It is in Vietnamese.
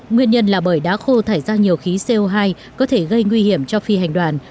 nguyên nhân là bởi đá khô thải ra nhiều khí co hai có thể gây nguy hiểm cho phi hành đoàn